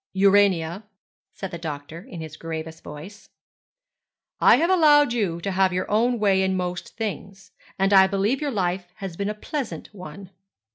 'Urania,' said the doctor in his gravest voice, 'I have allowed you to have your own way in most things, and I believe your life has been a pleasant one.'